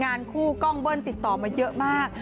งานคู่กล้องเบิ้ลติดต่อมาเยอะมาก